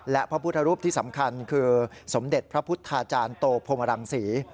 และพระพุทธรูปที่สำคัญคือสมเด็จพระพุทธาจารย์โตพรมรังศรี